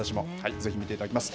ぜひ見ていただきます。